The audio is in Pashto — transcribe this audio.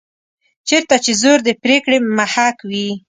چېرته چې زور د پرېکړې محک وي.